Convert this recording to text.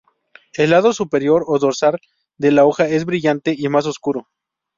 El lado superior o dorsal de la hoja es brillante y más oscuro.